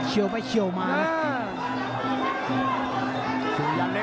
เชี่ยวไปเชี่ยวมานี่